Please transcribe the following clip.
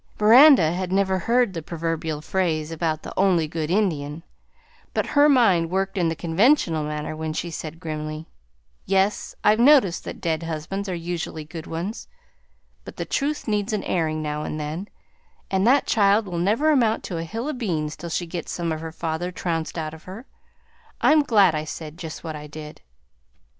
Miranda had never heard the proverbial phrase about the only "good Indian," but her mind worked in the conventional manner when she said grimly, "Yes, I've noticed that dead husbands are usually good ones; but the truth needs an airin' now and then, and that child will never amount to a hill o' beans till she gets some of her father trounced out of her. I'm glad I said just what I did."